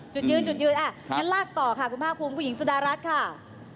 จุดยืนอ่ะงั้นลากต่อคุณภาคคุมคุณหญิงสุดรัฐค่ะ